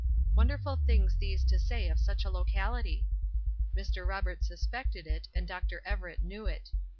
Wonderful things these to say of such a locality! Mr. Roberts suspected it, and Dr. Everett knew it.